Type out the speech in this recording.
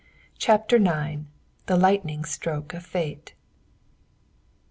CHAPTER IX. THE LIGHTNING STROKE OF FATE.